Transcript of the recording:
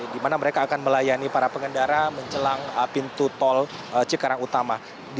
di mana mereka akan melayani para pengendara menjelang pintu tol cikarang utama